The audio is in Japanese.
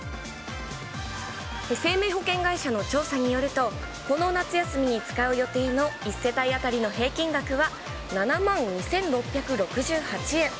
生命保険会社の調査によると、この夏休みに使う予定の１世帯当たりの平均額は７万２６６８円。